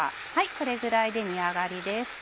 これぐらいで煮上がりです。